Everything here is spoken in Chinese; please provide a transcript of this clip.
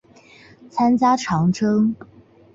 参加长征。